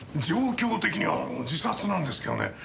状況的には自殺なんですけどね